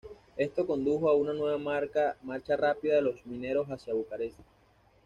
Esto condujo a una nueva marcha rápida de los mineros hacia Bucarest.